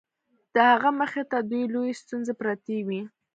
د هغه مخې ته دوې لويې ستونزې پرتې وې.